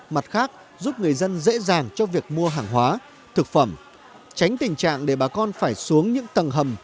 mặt khác giúp người dân dễ dàng cho việc mua hàng hóa thực phẩm tránh tình trạng để bà con phải xuống những tầng hầm